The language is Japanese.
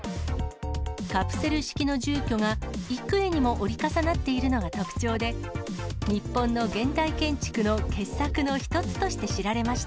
カプセル式の住居が、幾重にも折り重なっているのが特徴で、日本の現代建築の傑作の一つとして知られました。